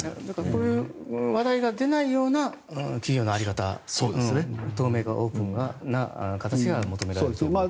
この話題が出ないような企業の在り方透明化、オープンな形が求められていると思います。